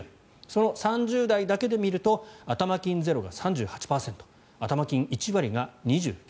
その３０代だけで見ると頭金ゼロが３８％頭金１割が２９％。